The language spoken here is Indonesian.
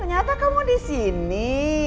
ternyata kamu disini